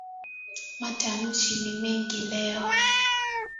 Matamasha ni mengi leo